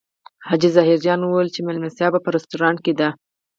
حاجي ظاهر جان ویلي و چې مېلمستیا په رستورانت کې ده.